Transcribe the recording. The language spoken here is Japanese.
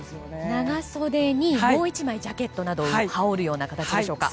長袖にもう１枚ジャケットなどを羽織るような形でしょうか。